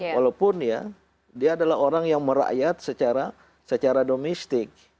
walaupun ya dia adalah orang yang merakyat secara domestik